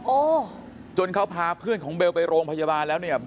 โอ้จนเขาพาเพื่อนของเบลไปโรงพยาบาลแล้วเนี่ย